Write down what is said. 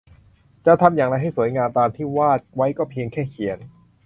จะทำอย่างไรให้สวยงามตามที่วาดไว้ก็เพียงแค่เขียน